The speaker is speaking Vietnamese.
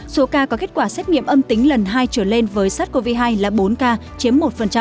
số ca có kết quả xét nghiệm âm tính lần hai trở lên với sars cov hai là bốn ca chiếm một